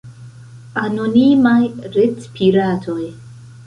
anonimaj retpiratoj